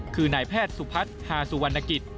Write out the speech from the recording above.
คือนายแพทย์สุพัฒน์ฮาสุวรรณกิจ